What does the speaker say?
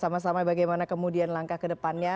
sama sama bagaimana kemudian langkah ke depannya